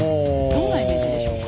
どんなイメージでしょうか？